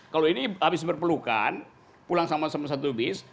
kalau ini habis berpelukan pulang sama sama satu bis